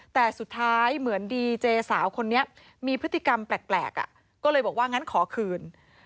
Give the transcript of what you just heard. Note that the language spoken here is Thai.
แต่สุดท้ายเหมือนดีเจสาวคนนี้มีพฤติกรรมแปลกก็เลยบอกว่างั้นขอคืน